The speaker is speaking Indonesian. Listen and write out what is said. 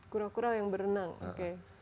kura kura yang berenang oke